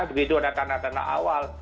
begitu ada tanda tanda awal